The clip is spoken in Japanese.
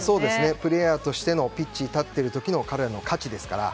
プレーヤーとしてのピッチに立っている時の彼らの価値ですから。